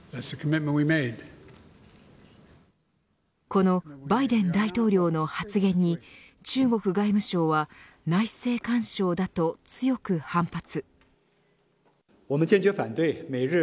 このバイデン大統領の発言に中国外務省は内政干渉だと強く反発。